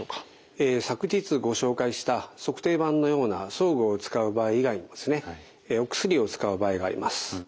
昨日ご紹介した足底板のような装具を使う場合以外にもですねお薬を使う場合があります。